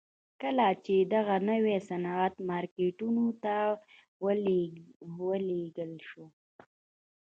کله چې دغه نوی صنعت مارکیټونو ته ولېږل شو